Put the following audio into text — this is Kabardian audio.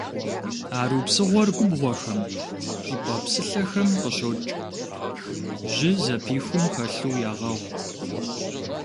Арупсыгъуэр губгъуэхэм, щӏыпӏэ псылъэхэм къыщокӏ, жьы зэпихум хэлъу ягъэгъу.